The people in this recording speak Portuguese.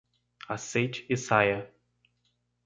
Aceite e saia.